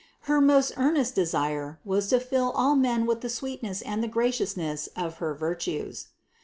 Her most earnest de sire was to fill all men with the sweetness and the gra ciousness of her virtues.